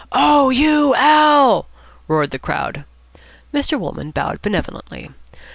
"Oh, you Al.!" roared the crowd. Mr. Wolmann bowed benevolently.